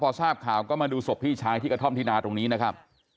พอทราบข่าวก็มาดูศพพี่ชายที่กระท่อมที่นาตรงนี้นะครับ